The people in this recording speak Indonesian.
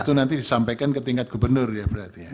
itu nanti disampaikan ke tingkat gubernur ya berarti ya